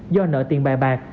do nợ tiền bài bạc